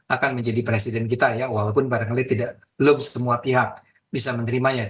akan menjadi presiden kita ya walaupun barangkali belum semua pihak bisa menerimanya